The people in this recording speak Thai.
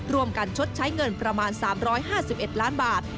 การชดใช้เงินประมาณ๓๕๑ล้านบาท